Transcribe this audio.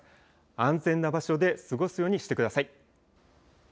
安全な場所で過ごすようにしてください。